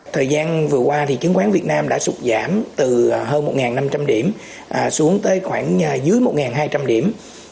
thời gian vừa qua thì chứng khoán việt nam đã sụt giảm từ hơn một năm trăm linh điểm xuống tới khoảng dưới một hai trăm linh điểm